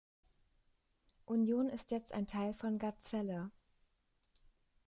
Union ist jetzt ein Teil von Gazelle.